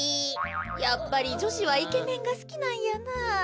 やっぱりじょしはイケメンがすきなんやなあ。